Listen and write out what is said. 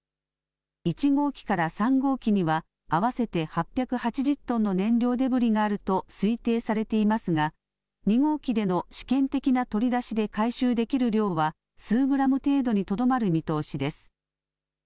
１号機から３号機には合わせて８８０トンの燃料デブリがあると推定されていますが２号機での試験的な取り出しで回収できる量は数グラム程度にとどまる見通しです。